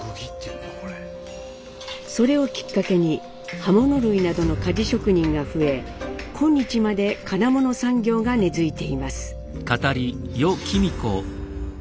それをきっかけに刃物類などの鍛冶職人が増え今日まで金物産業が根づいています。